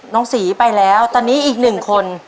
น้องศรีไปแล้วตอนนี้อีกหนึ่งคน